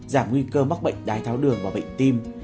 giảm nguy cơ mắc bệnh đái tháo đường và bệnh tim